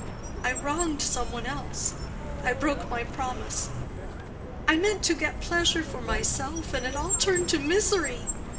I wronged some one else. I broke my promise. I meant to get pleasure for myself, and it all turned to misery.